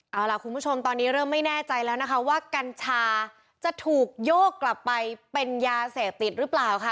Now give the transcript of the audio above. เอาล่ะคุณผู้ชมตอนนี้เริ่มไม่แน่ใจแล้วนะคะว่ากัญชาจะถูกโยกกลับไปเป็นยาเสพติดหรือเปล่าค่ะ